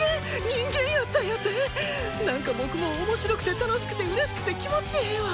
人間やったんやて⁉何か僕もう面白くて楽しくてうれしくて気持ちええわ！